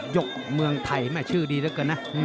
ยกเมืองไทยแม่ชื่อดีเหลือเกินนะ